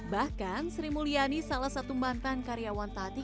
bahkan sri mulyani salah satu mantan karyawan tati